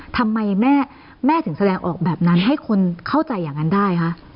ทำไมแม่ถึงแสดงออกแบบนั้นให้คนเข้าใจอย่างนั้นได้คะ